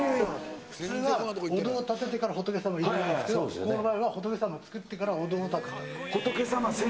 普通はお堂を建ててから仏様入れるんですけど、ここの場合は仏様を作ってからお堂を建てた。